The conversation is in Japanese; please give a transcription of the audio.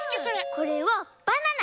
これはバナナ。